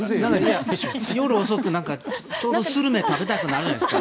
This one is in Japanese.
夜遅く、スルメとか食べたくなるじゃないですか。